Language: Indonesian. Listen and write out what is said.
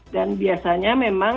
dan biasanya memang